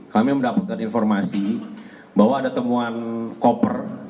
kami mendapatkan informasi bahwa ada temuan koper